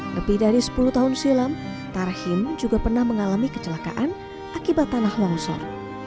lebih dari sepuluh tahun silam tarhim juga pernah mengalami kecelakaan akibat tanah longsor